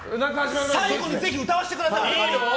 最後にぜひ歌わせてください！